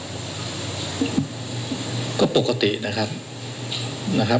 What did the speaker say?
แต่เจ้าตัวก็ไม่ได้รับในส่วนนั้นหรอกนะครับ